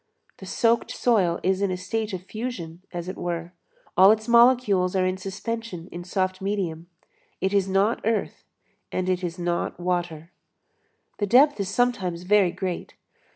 The soaked soil is in a state of fusion, as it were; all its molecules are in suspension in soft medium; it is not earth and it is not water. The depth is sometimes very great.